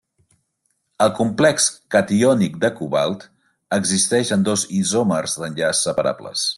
El complex catiònic de cobalt existeix en dos isòmers d'enllaç separables.